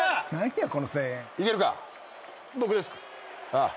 ああ。